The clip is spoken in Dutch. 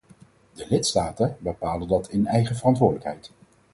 De lidstaten bepalen dat in eigen verantwoordelijkheid.